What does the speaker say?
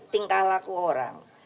tingkah laku orang